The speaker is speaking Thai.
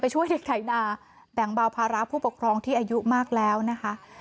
ช่วยเด็กไถนาแบ่งเบาภาระผู้ปกครองที่อายุมากแล้วนะคะ